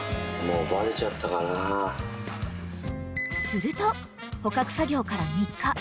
［すると捕獲作業から３日］